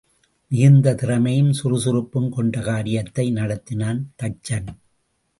மிகுந்த திறமையும் சுறுசுறுப்பும் கொண்டு காரியத்தை நடத்தினான் தச்சன்.